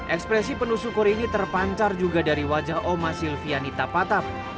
ekspresi penuh syukur ini terpancar juga dari wajah oma silviani tapataf